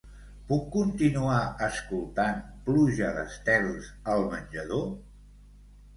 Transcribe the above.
Puc continuar escoltant "Pluja d'estels" al menjador?